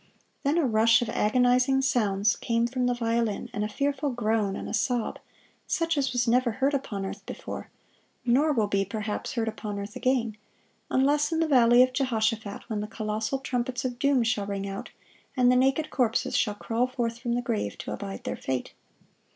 Then a rush of agonizing sounds came from the violin, and a fearful groan and a sob, such as was never heard upon earth before, nor will be perhaps heard upon earth again, unless in the valley of Jehoshaphat, when the colossal trumpets of doom shall ring out, and the naked corpses shall crawl forth from the grave to abide their fate.